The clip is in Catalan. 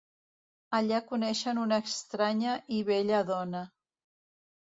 Allà coneixen una estranya i bella dona.